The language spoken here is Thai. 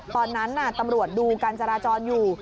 ตอนนั้นตำรวจดูการจราจรอยู่